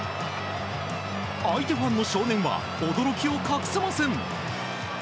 相手ファンの少年は驚きを隠せません。